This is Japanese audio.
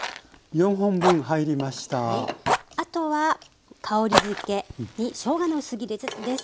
あとは香りづけにしょうがの薄切りです。